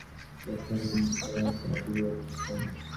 তিনি পদার্থবিজ্ঞান ও রসায়নবিজ্ঞানে অনার্স সহ বি.এ পাশ করেন।